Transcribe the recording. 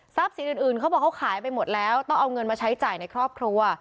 สินอื่นเขาบอกเขาขายไปหมดแล้วต้องเอาเงินมาใช้จ่ายในครอบครัว